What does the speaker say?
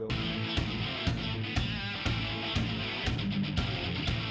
dari jual gambar